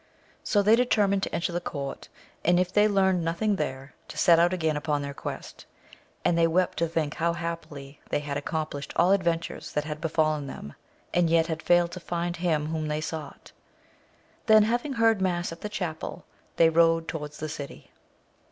So they determined to enter the court, and, if they learnt nothing there, to set out again upon their quest ; and they wept to think how happily they had accomplished all adventures that had befallen them, and yet had failed to find him whom they sought. Then having heard mass at the chapel, they rode towards the city.